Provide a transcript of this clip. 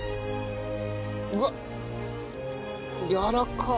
うわっ！やわらかっ！